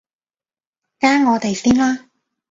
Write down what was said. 加我哋先啦